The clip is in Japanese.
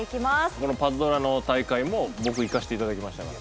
この『パズドラ』の大会も僕行かせていただきましたから。